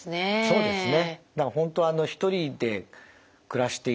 そうですね。